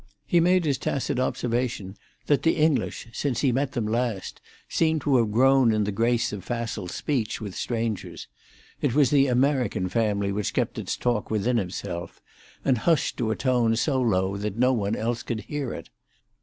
He made his tacit observation that the English, since he met them last, seemed to have grown in the grace of facile speech with strangers; it was the American family which kept its talk within itself, and hushed to a tone so low that no one else could hear it.